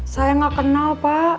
saya gak kenal